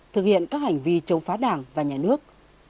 thực hiện các hành vi chống phá đảng và nhà nước